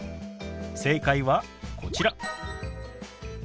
正解はこちら。